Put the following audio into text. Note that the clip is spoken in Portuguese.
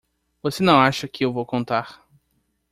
Você não acha que eu vou contar!